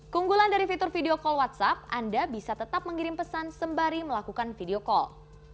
keunggulan dari fitur video call whatsapp anda bisa tetap mengirim pesan sembari melakukan video call